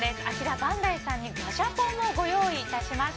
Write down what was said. バンダイさんにガシャポンをご用意していただきました。